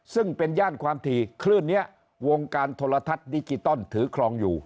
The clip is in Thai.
ซึ่งเป็นย่านความถี่คลื่นนี้วงการโทรทัศน์ดิจิตอลถือครองอยู่